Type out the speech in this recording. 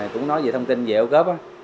cũng nói về thông tin về ô cớp